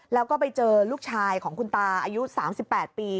แล้วก็ไปเจอลูกชายของคุณตาอายุ๓๘ปี